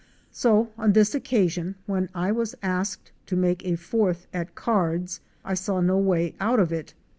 So on this occasion when I was asked to make a fourth at cards, I saw no way out of it.